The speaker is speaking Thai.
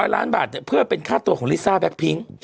ล้านบาทเพื่อเป็นค่าตัวของลิซ่าแก๊กพิ้ง